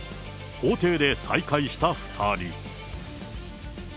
法廷で再会した２人。